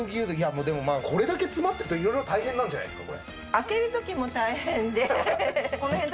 これだけ詰まってるといろいろ大変なんじゃないですか？